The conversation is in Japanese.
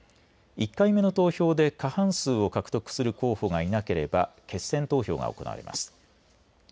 １回目の投票で過半数を獲得する候補がいなければ決選投票が行われます。